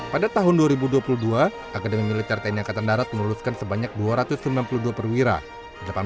pada tahun dua ribu dua puluh dua akademi militer tni angkatan darat menuluskan sebanyak dua ratus sembilan puluh dua perwira